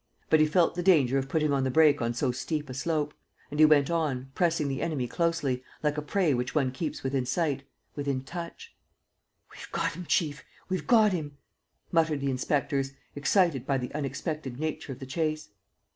But he felt the danger of putting on the brake on so steep a slope; and he went on, pressing the enemy closely, like a prey which one keeps within sight, within touch. ... "We've got him, chief, we've got him!" muttered the inspectors, excited by the unexpected nature of the chase.